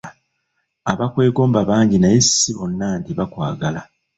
Abakwegomba bangi naye si bonna nti bakwagala.